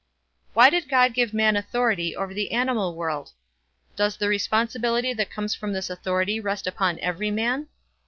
Why did God give man authority over the animal world? Does the responsibility that comes from this authority rest upon every man?